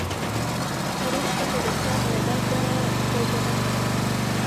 کرۍ شپه مې د سر له درده خوب ونه کړ.